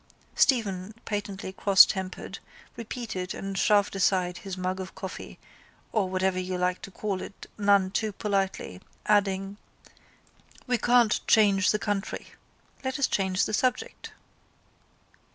Stephen, patently crosstempered, repeated and shoved aside his mug of coffee or whatever you like to call it none too politely, adding: —We can't change the country. Let us change the subject.